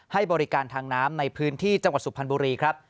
ให้บริการทางน้ำในพื้นที่จังหวัดสุพรรณบุรีครับ